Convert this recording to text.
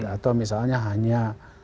atau misalnya hanya